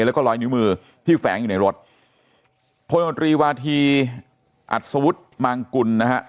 แล้วก็ลอยนิ้วมือที่แฝงอยู่ในรถพลมตรีวาธีอัศวุฒิมางกุลนะฮะ